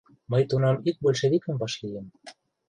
Мый тунам ик большевикым вашлийым.